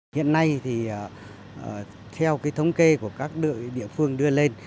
hiện nay thì theo thống kê của các đội địa phương đưa lên